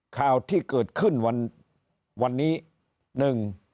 ข่าวที่เกิดขึ้นวันวันนี้หนึ่ง